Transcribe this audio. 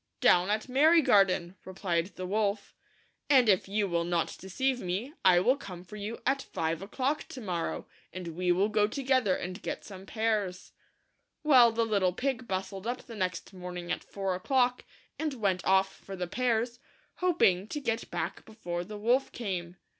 " Down at Merry garden," replied the wolt, " and if you will not deceive me, I will come for you at five 74 THE THREE LITTLE PIGS . o'clock to morrow, and we will go together and get some pears.'' Well, the little pig bustled up the next morning at lour o'clock, and went off for the pears, hoping to get back before the wolf came.